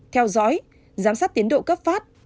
theo dõi giám sát tiến độ cấp phát